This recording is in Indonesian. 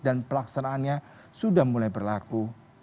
dan pelaksanaannya sudah mulai berlaku